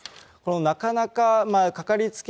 なかなか掛かりつけ